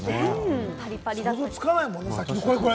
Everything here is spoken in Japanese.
想像つかないもんね。